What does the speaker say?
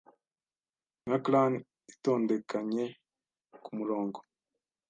Nka crane itondekanye kumurongo